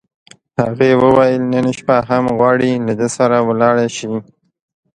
هغې وویل: نن شپه هم غواړې، له ده سره ولاړه شې؟